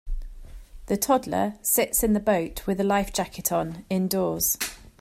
The toddler sits in the boat with a life jacket on indoors.